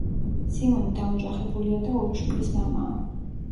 სიმონი დაოჯახებულია და ორი შვილის მამაა.